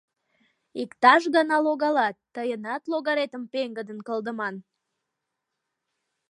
Иктаж гана логалат, тыйынат логаретым пеҥгыдын кылдыман».